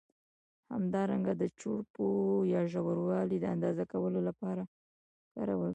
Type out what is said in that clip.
همدارنګه د چوړپو یا ژوروالي د اندازه کولو له پاره کارول کېږي.